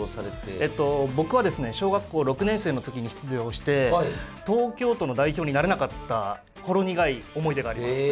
えと僕はですね小学校６年生の時に出場して東京都の代表になれなかったほろ苦い思い出があります。